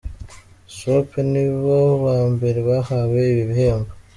Swope nibo ba mbere bahawe ibi bihembo.